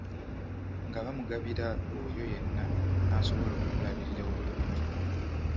Nga bamugabira oyo yenna anasobola okumulabirira obulungi.